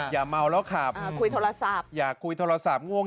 อย่าเมาแล้วขับอยากคุยโทรศัพท์